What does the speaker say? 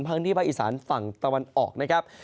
พื้นที่ภาคอีสานฝั่งตะวันออกนะครับ